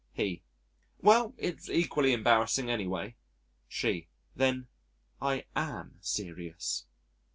He: "Well, it's equally embarrassing any way." She: "Then I am serious."